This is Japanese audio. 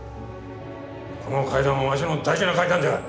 この階段はわしの大事な階段じゃ！